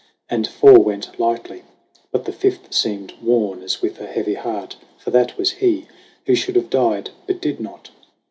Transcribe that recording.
And four went lightly, but the fifth seemed worn As with a heavy heart; for that was he Who should have died but did not.